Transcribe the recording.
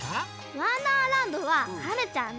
「わんだーらんど」ははるちゃんね！